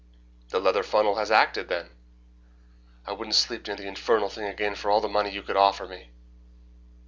"The leather funnel has acted, then?" "I wouldn't sleep near the infernal thing again for all the money you could offer me."